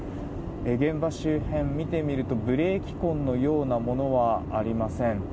現場周辺、見てみるとブレーキ痕のようなものはありません。